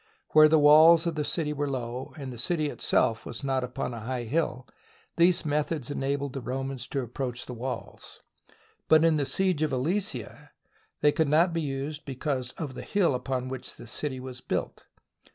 Where the walls of the city were low, and the city itself was not upon a high hill, these methods enabled the Romans to approach the walls, but in the siege of Alesia they [ 102] SIEGE OF ALESIA could not be used because of the hill upon which the city was built.